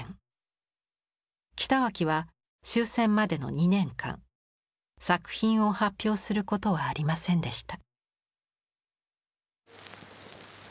北脇は終戦までの２年間作品を発表することはありませんでした。